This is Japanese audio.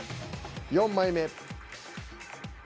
４枚目。